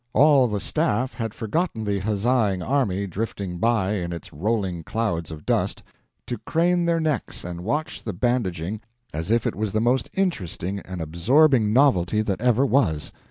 All the staff had forgotten the huzzaing army drifting by in its rolling clouds of dust, to crane their necks and watch the bandaging as if it was the most interesting and absorbing novelty that ever was.